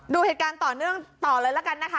ดูเหตุการณ์ต่อต่อเลยแล้วกันนะคะ